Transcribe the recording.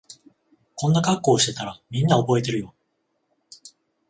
こんな格好してたらみんな覚えてるよ